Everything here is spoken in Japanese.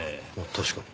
確かに。